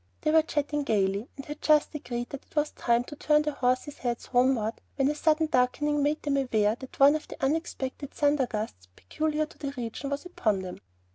They were chatting gayly, and had just agreed that it was time to turn their horses' heads homeward, when a sudden darkening made them aware that one of the unexpected thunder gusts peculiar to the region was upon them.